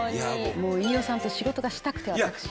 もう飯尾さんと仕事がしたくて私は。